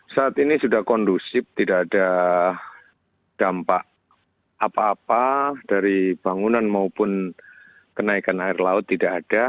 saat ini sudah kondusif tidak ada dampak apa apa dari bangunan maupun kenaikan air laut tidak ada